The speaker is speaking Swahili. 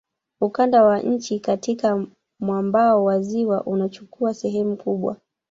Ukanda wa chini katika mwambao wa ziwa unachukua sehemu kubwa